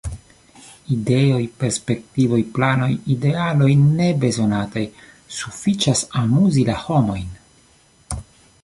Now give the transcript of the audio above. Ideoj, perspektivoj, planoj, idealoj – ne bezonataj; sufiĉas amuzi la homojn.